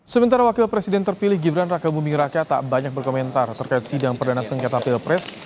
sementara wakil presiden terpilih gibran raka buming raka tak banyak berkomentar terkait sidang perdana sengketa pilpres